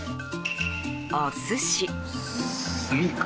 お寿司。